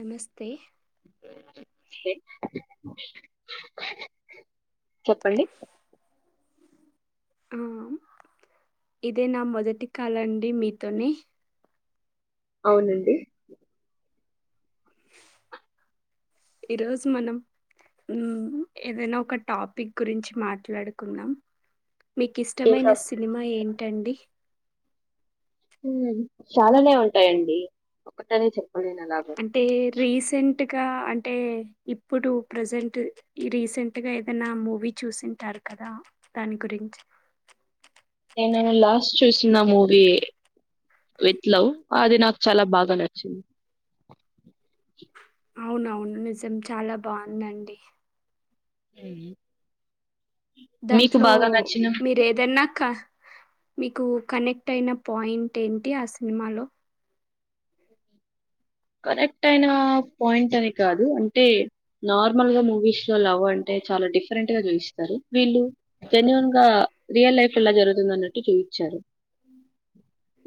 నమస్తే చెప్పండి ఆ ఇదే నా మొదటి కాలండి మీతోని అవునండి ఈరోజు మనం ఏదైనా ఒక టాపిక్ గురించి మాట్లాడుకుందాం మీకు ఇష్టమైన ఇంకా సినిమా ఏంటండి చాలానే ఉంటాయండి ఒకటని చెప్పలేం అంటే రీసెంట్ ఇంకా అంటే ఇప్పుడు ప్రసెంట్ రీసెంట్ గా ఏదైనా మూవీ చూసంటర్ క దా దాని గురించి నేను లాస్ట్ చూసిన మూవీ విత్ లవ్ అది నాకు చాలా బాగా నచ్చింది అవునవును నిజం చాలా బాగుందండి హ్మ్ దాంట్లో మీరు ఏదైన్నా క మీకు కనెక్ట్ అయిన పాయింట్ ఏంటి ఆ సినిమాలో కరెక్ట్ అయిన పాయింట్ అని కాదు అంటే నార్మల్ గా మూవీస్ లో లవ్ అంటే చాలా డిఫరెంట్ గా చూయిస్తారు వీళ్ళు జన్యున్ గా రియల్ లైఫ్లా ఎలా జరుగుతుందన్నట్టు చూపించారు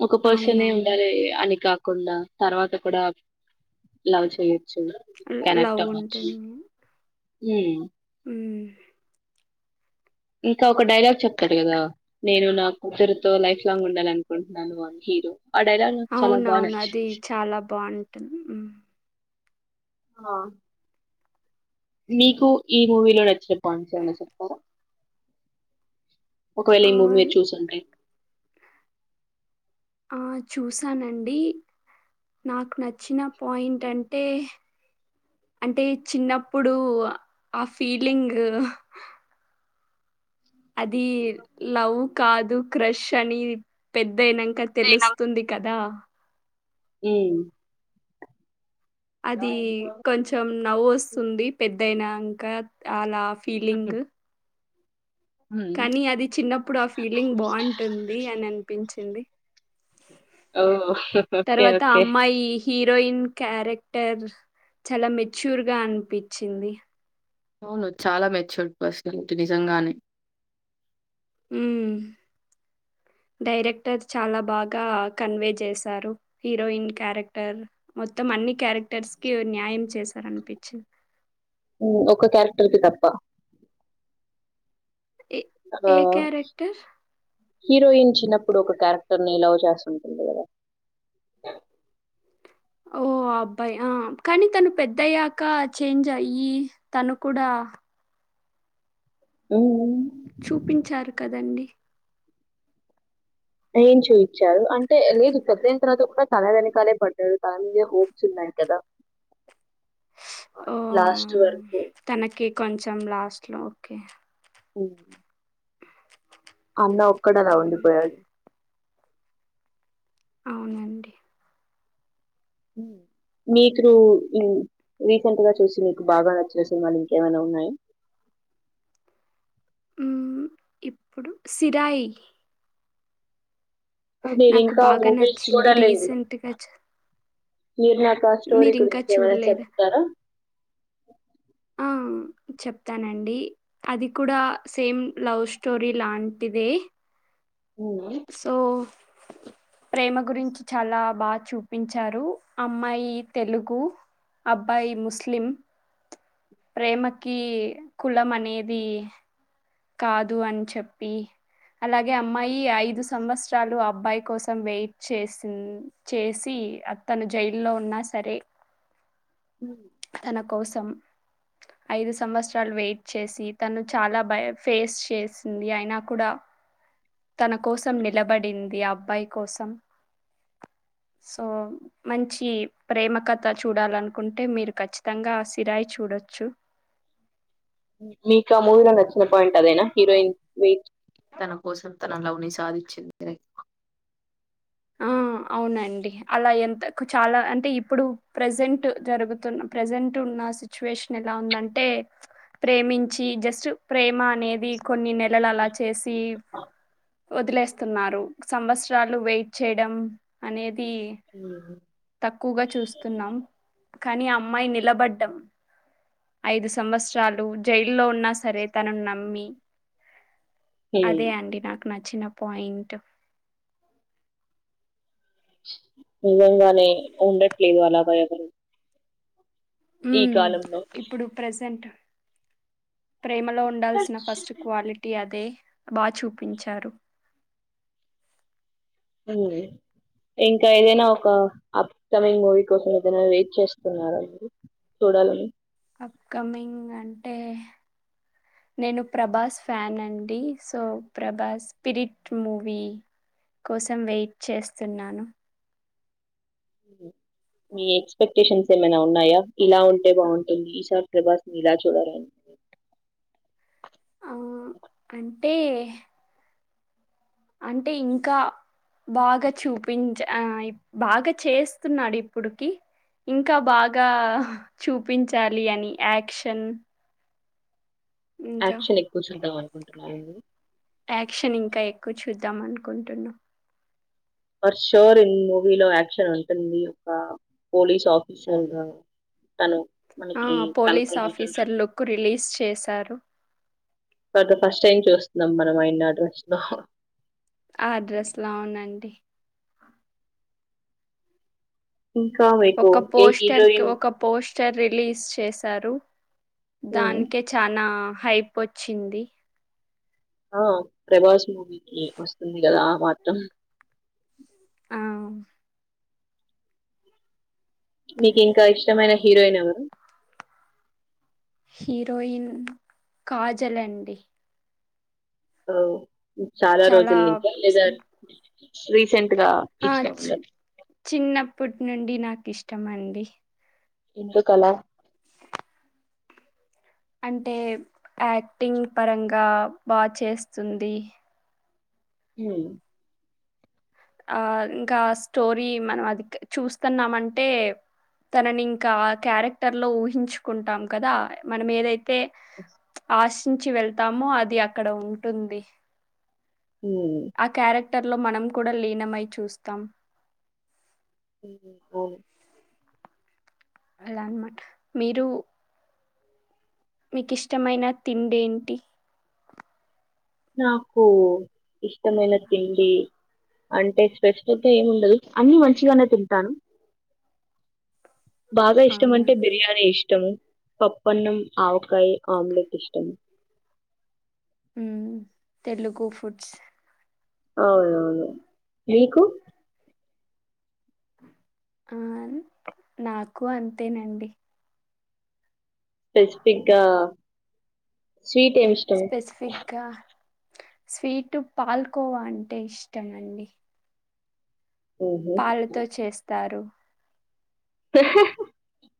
ఒక పర్సనే అవునవును ఉండాలి అని కాకుండా తర్వాత కూడా లవ్ చేయొచ్చు కనెక్ట్ లవ్ అవ్వొచ్చు ఉంటుంది హు ఉహ్ ఇంకా ఒక డైలాగ్ చెప్తాడు కదా నేను నా కూతురుతో లైఫ్ లాంగ్ ఉండాల అనుకుంటున్నాను ఆ హీరో ఆ డైలాగ్ నాక్ చాలా బా అవునవును. అది నచ్చింది చాలా బావుంటుంది. హ్మ్. ఆ మీకు ఈ మూవీలో నచ్చిన పాయింట్స్ ఏమై నా చెప్తారా ఒకవేళ ఈ మూవీ ఆన్ మీరు చూసుంటే ఆ చూసానండి నాకు నచ్చిన పాయింట్ అంటే అంటే చిన్నప్పుడు ఆ ఫీలింగ్ అది లవ్ కాదు క్రష్ అని పెద్ దైనంక నేనా తెలుస్తుంది కదా ఉమ్ అది కొంచెం నవ్వు వోస్తుంది పెద్దయినంకా అలా ఫీలింగ్ కానీ అది చిన్నప్పుడు ఆ ఫీలింగ్ బాగుంటుంది అని అనిపించింది ఓ ఓకే తర్వాత ఆ ఓకే అమ్మాయి హి రోయిన్ క్యారెక్టర్ చాలా మెచ్యూర్ గా అనిపించింది అవును చాలా మెచ్యూరి పర్సనాలిటీ నిజంగానే అ హ్మ్. డైరెక్టర్ చాలా బాగా కన్వే చేశారు హీరోయిన్ క్యారెక్టర్ మొత్తం మన్ని క్యారెక్టర్స్ కి న్యాయం చేశారనిపించింది హు ఒక క్యారెక్టర్ కి తప్ప ఏ ఏ క్యారెక్టర్ హీరోయిన్ చిన్నప్పుడు ఒక క్యారెక్టర్ ని లవ్ చేస్తుంటుంది కదా ఓ ఓ అబ్బాయి ఆ కానీ తను పెద్దయ్యాక చేంజ్ అయ్యి తను కూడా ఆ ఆ చూపించారు కదండి ఏం చేయించారు అంటే లేదు పెద్దన తర్వాత కూడా తన వెనకాలే పడ్డారు తన మీదే హోప్స్ ఉన్నాయి కదా ఓ లాస్ట్ వరకు. తనకి కొంచం లాస్ట్ లో ఓకే ఉ అన్న ఒక్కడలా హ్మ్. ఉండిపోయాడు అవునండి ఉహ్ మీకు ఉ రీసెంట్ గా చూసి మీకు బాగా నచ్చిన సినిమాలు ఇంకేమైనా ఉన్నాయి ఉహ్ ఇప్పుడు సిరాయి అంటే నేను నాకు ఇంకా బాగా మూవీ నచ్చింది. చూడలేదు రీసెంట్‌గా మీరు నాకు ఆ స్టోరి మీరింకా గురించి ఏమైనా చూడలేదా చెప్తారా ఆ చెప్తానండి, అది కూడా సేమ్ లవ్ స్టోరీ లాంటిదే. హ్మ్. సో ప్రేమ గురించి చాలా బాగా చూపించారు. అమ్మాయి తెలుగు అబ్బాయి ముస్లిం ప్రేమకి కులం అనేది కాదు అని చెప్పి అలాగే అమ్మాయి ఐదు సంవత్సరాలు అబ్బాయి కోసం వెయిట్ చేసిన్ చేసి అతను జైల్లో ఉన్నా సరే ఉ తన కోసం ఐదు సంవత్సరాలు వెయిట్ చేసి తను చాలా భయ ఫేస్ చేసింది. అయినా కూడా తన కోసం నిలబడింది అబ్బాయి కోసం సో మంచి ప్రేమ కథ చూడాలనుకుంటే మీరు ఖచ్చితంగా సిరాయి చూడ చ్చు మీకు ఆ మూవీలో నచ్చిన పాయింట్ అదైనా హీరోయిన్ మీ తన కోసం తన లవ్ ని సాధించింది. ఉ అవునండి, అలా ఎంత చాలా అంటే ఇప్పుడు ప్రజెంట్ జరుగుతున్న ప్రజెంట్ ఇప్పుడు ఉన్న సిట్యుయేషన్ ఎలా ఉంది అంటే, ప్రేమించి జెస్ట్ ప్రేమ అంటూ అనేది కొన్ని నెలలు అలా చేసి వదిలేస్తున్నారు. సంవత్సరాలు వెయిట్ చేయడం అనేది ఉ తక్కువగా చూస్తున్నాం కానీ, ఆ అమ్మాయి నిలబడ్డం ఐదు సంవత్సరాలు జైల్లో ఉన్నా సరే తనను నమ్మి హ్మ్. అదే అండి నాకు నచ్చిన పాయింట్. నిజంగానే ఉండట్లేదు అలా బయపడి ఈ ఉమ్ కాలంలో ఇప్పుడు ప్రజెంట్ ప్రేమలో ఉండాల్సిన ఫస్ట్ క్వాలిటీ అది. అదే బాగా చూపించారు. మ్ హూ ఇంకా ఏదైనా ఒక అప్కమింగ్ మూవీ కోసం ఏదైనా వెయిట్ చేస్తున్నరా మీరు. చూడాలనీ అప్కమింగ్ అంటే నేను ప్రభాస్ ఫ్యాన్ అండి. సో ప్రభాస్ స్పిరిట్ మూవీ కోసం వెయిట్ చేస్తున్నాను. ఉ మీ ఎక్స్పెక్టేషన్స్ ఏమైనా ఉన్నాయా? ఇలా ఉంటే బాగుంటుంది. ఈసార్ ప్రభాస్ ని ఇలా చూడాల ఆ అంటే అంటే ఇంకా బాగా చూపించ ఆ బాగా చేస్తున్నాడు ఇప్పుడుకి, ఇంకా బాగా చూపించాలి అని యాక్షన్. ఇంకా యాక్షన్ ఎక్కువ చూద్దాం అనుకుంటున్నా. యాక్షన్ ఇంకా ఎక్కువ చూద్దాం అనుకుంటున్నా. ఫర్ షూర్ ఇన్ మూవీలో యాక్షన్ ఉంటుంది ఒక పోలీస్ ఆఫీసర్ గా. తను ఆ మనకి పోలీస్ కనపడబోతున్నాడు ఆఫీసర్ లుక్ రిలీజ్ చేశారు. కా ఫస్ట్ టైం చూస్తున్నాం మనం ఆయన్ని అ డ్రస్ లో ఆ డ్రెస్ లో అవునండి ఇంకా మీకు ఒక ఏ పోస్టర్ కి హీరోయిన్ ఒక పోస్ట్ టర్ రిలీజ్ చేశారు దానికే చానా హైప్ వచ్చింది ఓం ప్రభాస్ మూవీకి వస్తుంది కదా ఆ మాత్రం అవున్ నీకు ఇంకో ఇష్టమైన హీరోయిన్ ఎవరు హీరోయిన్ కాజలండి ఓ చాలా రోజుల నుంచ లెదా రీసెం ఆ చి చిన్నప్పటి నుండి నాకు ఇష్టమ అండి ఎందు కలా అంటే యాక్టింగ్ పరంగా బా చేస్తుంది మ్ ఆ ఇంకా స్టోరీ మనం అది చూస్తున్నామంటే తనని ఇంకా ఆ క్యారెక్టర్ లో ఊహించుకుంటాం కదా మనం ఏదైతే ఆశించి వెళ్తామో అది అక్కడ ఉంటుంది మ్ అట్లా మనం కూడా లీనమై చూస్తాం మ్.. ఒ అలా అనమాట మీరు మీకిష్టమైన తిండేంటి నాకు ఇష్టమైన తిండి అంటే స్పెసిఫిక్ గ ఏముండదు అన్ని మంచిగానే తింటాను బాగా ఇష్టం అవునా! అంటే బిర్యానీ ఇష్టము పప్పన్నం ఆవకాయ ఆమ్లెట్ ఇష్టం మ్ తెలుగు ఫుడ్స్ ఓ.. మీకు ఆ నాకు అంతేనండి స్పెసిఫిక్ గా స్వీట్ ఏమి ఇష్టం స్వీటు పాల్కోవా అంటే ఇష్టమండి హుహు. పాలుతో చేస్తారు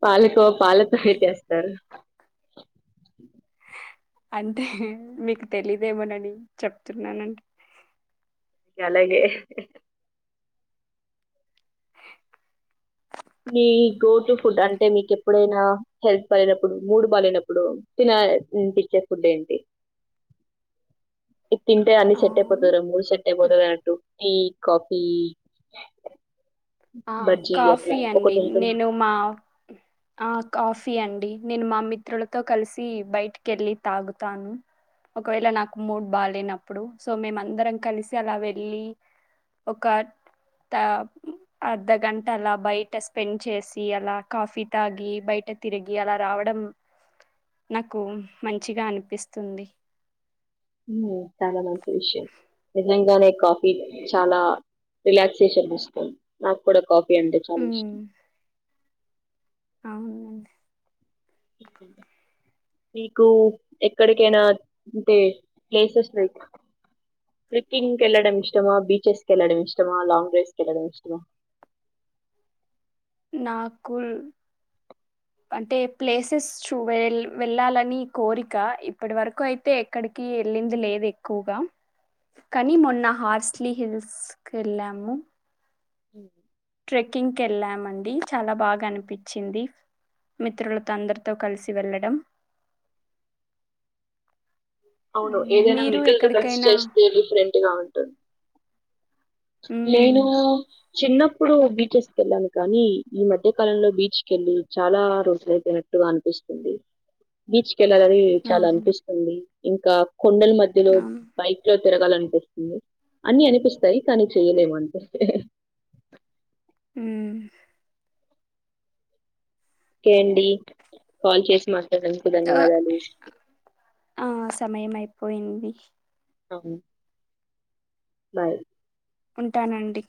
పాలకోవా పాలతోనె చేస్తారు అంటే మీకు తెలిదేమోనని చెప్తున్నానండి అలాలే మీ గో టు ఫుడ్ అంటే మీకు ఎప్పుడైనా హెల్త్ బాలెనప్పుడు మూడు బాలెనప్పుడు తినాల నిపిచ్చె ఫుడ్ ఏంటి తింటే అన్ని ఆ సెట్ అయిపోతార మూడు సెట్ అయిపోతది అనట్టు టీ కాఫీ ఆ బజ్జీ అట్లా కాఫీ అండి ఒకటి ఉంటుంది. నేను మా ఆ కాఫీ అండి నేను మా మిత్రులతో కలిసి బయటికి వెళ్ళి తాగుతాను ఒకవేళ నాకు మూడ్ బాలేనప్పుడు సో మేమం దరం కలిసి అలా వెళ్ళి ఒక టైం అర్ధగంట అలా బయట స్పెండ్ చేసి అలా కాఫీ తాగి బయట తిరిగి అలా రావడం నాకు మంచిగా అనిపిస్తుంది చాలా మంచి విషయం నిజంగానే కాఫీ చాలా రిలాక్సేషన్ వస్తుంది నాకు కూడా కాఫీ అంటే చాలా ఇష్టం ఉమ్, అవునండి [unintelligible] మీకు ఎక్కడికైనా ఉంటే ప్లేసెస్ లైక్ ట్రెక్కింగ్ కెళ్లడం ఇష్టమా బీచెస్ కెళ్లడం ఇష్టమా లాంగ్ డ్రైవ్స్ కెళ్లడం ఇష్టమా నాకు అంటే ప్లేసెస్ చూ వె వెళ్ళాలని కోరిక ఇప్పటి వరకు అయితే ఎక్కడికి వెళ్లింది లేదు ఎక్కువగా కానీ మొన్న హార్స్లీ హిల్స్ కెళ్ళాము ట్రెక్కింగ్ కెళ్ళామండి చాలా బాగానిపించింది మిత్రులతో అందరితో కలిసి వెళ్ళడం అవును ఉమ్, ఏదైనా మీరు మిత్రలతో కలిసి ఎక్కడికైనా చేస్తే డిఫరెంట్ గా ఉంటుంది ఉమ్ నేను చిన్నప్పుడు బీచెస్ కెళ్ళాను కానీ ఈ మధ్య కాలంలో బీచ్ కెళ్ళి చాలా రోజులయిపోన గా అనిపిస్తుంది బీచ్ కెళ్లాలని చాలా ఆహా అనిపిస్తుంది ఇంకా కొండల మధ్యలో అవును బైక్ లో తిరగాలనిపిస్తుంది అన్ని అనిపిస్తాయి కానీ చేయలేము అంతే మ్ ఓకే అండి కాల్ చేసి మాట్లాడినందుకు ఆ ధన్యవాదాలు ఆ సమయం అయిపోయింది అవును బై ఉంటానండి